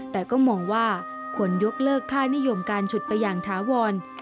แต่ก็มองว่าควรยกเลิกค่านิยมการฉุดไปอย่างถาวร